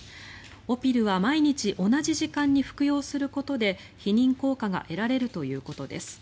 オピルは毎日同じ時間に服用することで避妊効果が得られるということです。